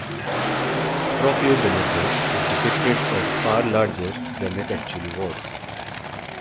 "Tropeognathus" is depicted as far larger than it actually was.